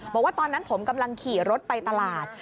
บอกว่าตอนนั้นผมกำลังขี่รถไปตลาด